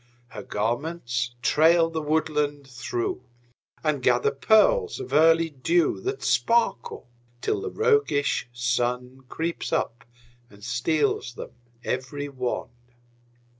Her garments trail the woodland through, And gather pearls of early dew That sparkle till the roguish Sun Creeps up and steals them every one.